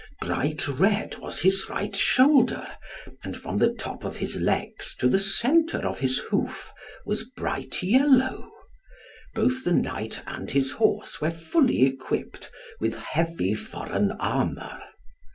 Bright red was his right shoulder, and from the top of his legs to the centre of his hoof was bright yellow. Both the knight and his horse were fully equipped with heavy foreign armour.